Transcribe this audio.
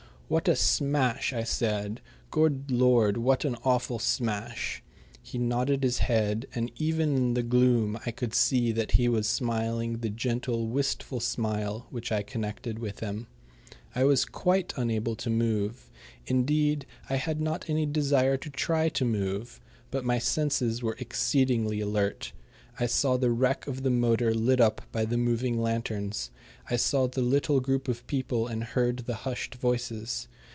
"What a smash!" I said. "Good Lord, what an awful smash!" He nodded his head, and even in the gloom I could see that he was smiling the gentle, wistful smile which I connected with him. I was quite unable to move. Indeed, I had not any desire to try to move. But my senses were exceedingly alert. I saw the wreck of the motor lit up by the moving lanterns. I saw the little group of people and heard the hushed voices.